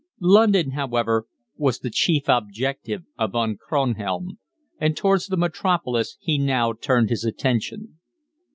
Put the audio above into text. London, however, was the chief objective of Von Kronhelm, and towards the Metropolis he now turned his attention.